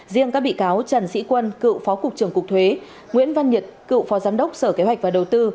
riêng các bị cáo trần sĩ quân cựu phó cục trưởng cục thuế nguyễn văn nhật cựu phó giám đốc sở kế hoạch và đầu tư